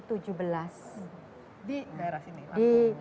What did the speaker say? di daerah ini